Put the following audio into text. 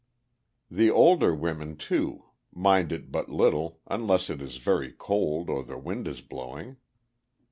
The older women, too, mind it but little, unless it is very cold or the wind is blowing.